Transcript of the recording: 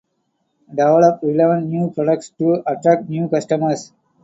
Develop relevant new products to attract new customers.